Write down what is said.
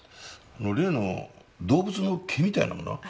例の動物の毛みたいなものは？